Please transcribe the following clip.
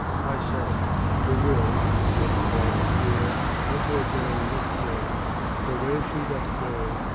^ 1 say, who will as gentle dame appear, Let her go with her, for where she doth go.